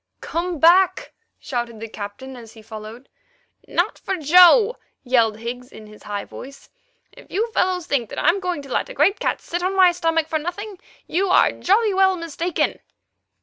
"Come back," shouted the Captain as he followed. "Not for Joe!" yelled Higgs in his high voice. "If you fellows think that I'm going to let a great cat sit on my stomach for nothing, you are jolly well mistaken."